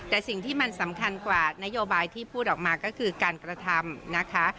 แต่สิ่งที่มันสำคัญกว่านโยบายที่พูดออกมาก็คือการกระทำนะคะ